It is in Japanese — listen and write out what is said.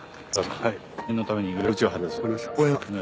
はい。